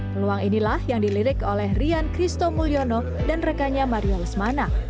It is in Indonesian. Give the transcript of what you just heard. peluang inilah yang dilirik oleh rian kristo mulyono dan rekannya maria lesmana